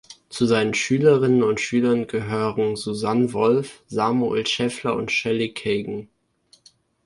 Zu seinen Schülerinnen und Schülern gehören Susan Wolf, Samuel Scheffler und Shelly Kagan.